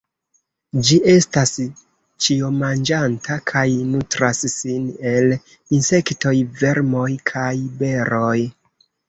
Ĝi estas ĉiomanĝanta, kaj nutras sin el insektoj, vermoj kaj beroj.